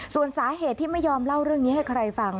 ส่วนสาเหตุที่ไม่ยอมเล่าเรื่องนี้ให้ใครฟัง